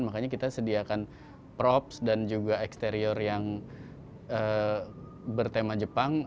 makanya kita sediakan props dan juga eksterior yang bertema jepang